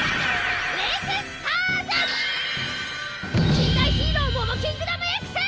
禁断ヒーローモモキングダムＸ！